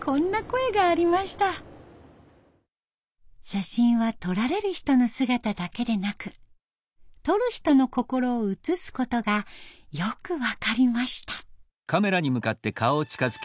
「写真は撮られる人の姿だけでなく撮る人の心を写すことがよく分かりました」。